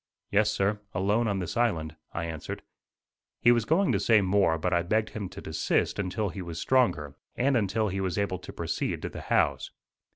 "Yes, sir, alone on this island," I answered. He was going to say more but I begged him to desist until he was stronger, and until he was able to proceed to the house.